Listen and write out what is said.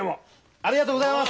ありがとうございます！